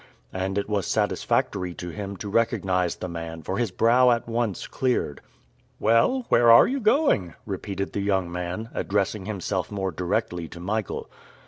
And it was satisfactory to him to recognize the man for his brow at once cleared. "Well, where are you going?" repeated the young man, addressing himself more directly to Michael.